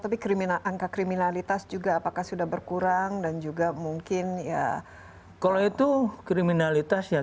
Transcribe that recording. tapi angka kriminalitas juga apakah sudah berkurang dan juga mungkin ya kalau itu kriminalitas ya